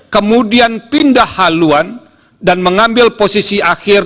kemudian pindah haluan dan mengambil posisi akhir